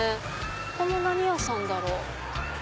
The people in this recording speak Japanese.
ここも何屋さんだろう？